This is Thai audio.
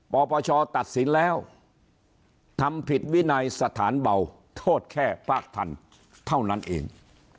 ปปชตัดสินแล้วทำผิดวินัยสถานเบาโทษแค่ภาคทันเท่านั้นเอง